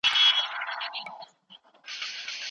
تاسو باید د کمپيوټر پوهنې له بېلابېلو برخو خبر سئ.